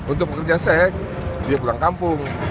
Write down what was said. untuk pekerja sek dia pulang kampung